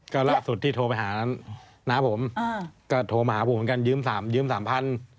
ก็ล่าสุดที่โทรไปหานั้นน้าผมก็โทรมาหาผมเหมือนกันยืมสามยืมสามพัน